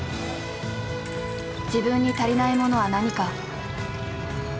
自分に足りないものは何か。